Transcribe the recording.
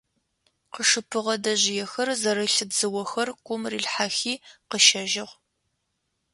Къышыпыгъэ дэжъыехэр зэрылъ дзыохэр кум рилъхьэхи къыщэжьыгъ.